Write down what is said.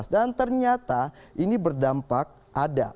dan ternyata ini berdampak ada